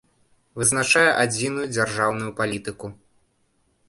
Вызначае адзiную дзяржаўную палiтыку.